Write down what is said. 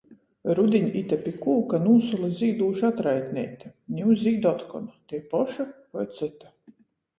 Rudiņ ite pi kūka nūsola zīdūša atraitneite, niu zīd otkon - tei poša voi cyta.